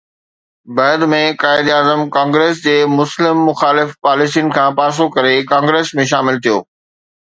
بعد ۾ قائداعظم ڪانگريس جي مسلم مخالف پاليسين کان پاسو ڪري ڪانگريس ۾ شامل ٿيو.